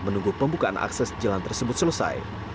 menunggu pembukaan akses jalan tersebut selesai